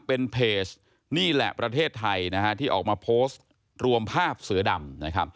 เป็นเพจนี่แหละประเทศไทยที่ออกมาโพสต์รวมภาพเสือดำ